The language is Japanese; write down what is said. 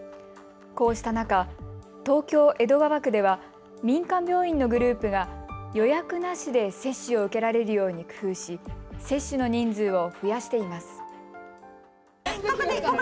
こうした中、東京江戸川区では民間病院のグループが予約なしで接種を受けられるように工夫し、接種の人数を増やしています。